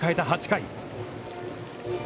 ８回。